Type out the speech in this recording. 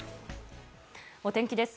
お天気です。